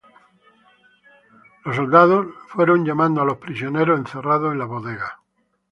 Los soldados fueron llamando a los prisioneros encerrados en las bodegas.